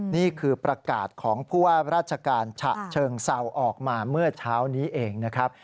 นี่คือประกาศของผู้ว่าราชการฉะเชิงเซาออกมาเมื่อเช้านี้เองนะครับ